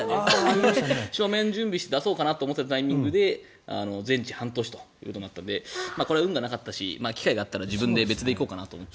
書面を準備して出そうかなと思ったタイミングで全治半年ということでこれは運がなかったし機会があったら自分で別で行こうかなって。